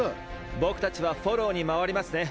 僕たちはフォローに回りますね。